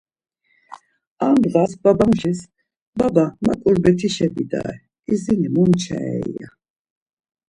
Ar ndğas babamuşis; Baba ma ǩurbetişa bidare, izini momçarei? ya.